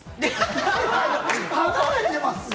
離れてますよ。